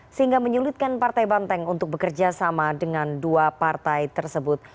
sehingga menyulitkan partai banteng untuk bekerja sama dengan dua partai tersebut